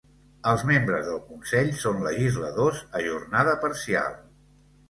Els membres del consell són legisladors a jornada parcial.